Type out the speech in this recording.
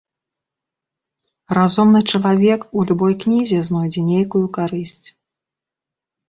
Разумны чалавек у любой кнізе знойдзе нейкую карысць.